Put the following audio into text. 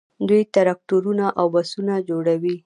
دوی ټراکټورونه او بسونه جوړوي.